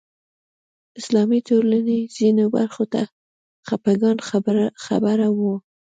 اسلامي ټولنې ځینو برخو ته خپګان خبره وه